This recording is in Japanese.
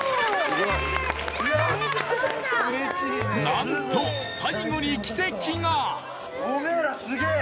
何と最後に奇跡が！